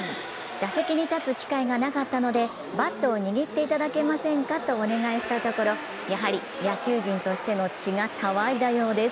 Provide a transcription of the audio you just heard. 打席に立つ機会がなかったのでバットを握っていただけませんか？と、お願いしたところ、やはり野球人としての血が騒いだようです。